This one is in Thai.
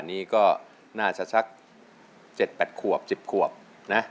นี่ก็น่าจะสัก๗๘ขวบ๑๐ขวบนะ